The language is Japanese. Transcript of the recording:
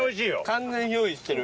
完全憑依してる。